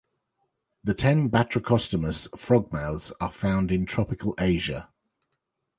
The ten "Batrachostomus" frogmouths are found in tropical Asia.